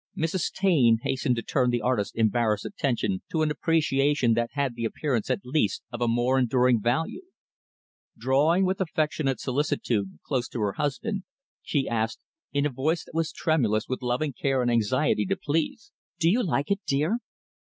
Mrs. Taine hastened to turn the artist's embarrassed attention to an appreciation that had the appearance, at least, of a more enduring value. Drawing, with affectionate solicitude, close to her husband, she asked, in a voice that was tremulous with loving care and anxiety to please, "Do you like it, dear?"